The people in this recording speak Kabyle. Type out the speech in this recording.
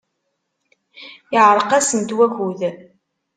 Yeɛreq-asent wakud.